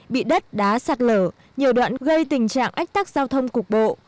bị đất đá sạt lở nhiều đoạn gây tình trạng ách tắc giao thông cục bộ